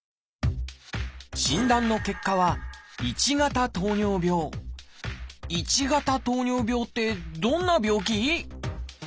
診断の結果は「１型糖尿病」ってどんな病気？